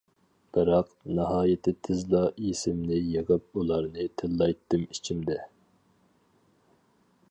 بىراق، ناھايىتى تېزلا ئېسىمنى يىغىپ ئۇلارنى تىللايتتىم ئىچىمدە.